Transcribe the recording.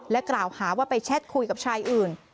กล่าวหาว่าไปแชทคุยกับชายอื่น